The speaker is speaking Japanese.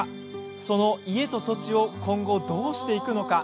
その家と土地を今後どうしていくのか？